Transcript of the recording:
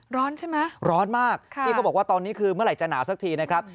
ร้อนใช่ไหมร้อนมากพี่เขาบอกว่าตอนนี้คือเมื่อไหร่จะหนาวสักทีนะครับ